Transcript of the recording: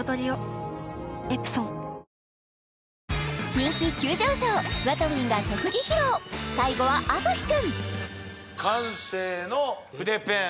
人気急上昇ＷＡＴＷＩＮＧが特技披露最後は曉くん感性の筆ペン